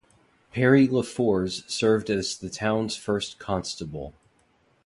Perry LeFors served as the town's first constable.